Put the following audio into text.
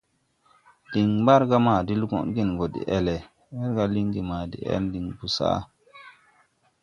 Liŋ Mbargā ma de lɔdgen gɔ deʼele, wɛrga lingi ma deʼel din bosaʼ.